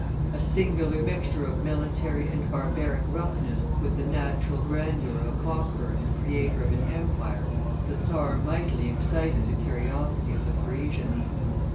A singular mixture of military and barbaric roughness with the natural grandeur of a conqueror and creator of an empire, the czar mightily excited the curiosity of the Parisians.